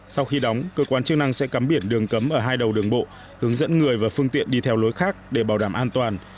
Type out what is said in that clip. sau khi đóng cơ quan chức năng sẽ cắm biển đường cấm ở hai đầu đường bộ hướng dẫn người và phương tiện đi theo lối khác để bảo đảm an toàn